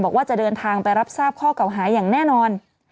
ว่าจะเดินทางไปรับทราบข้อเก่าหาอย่างแน่นอน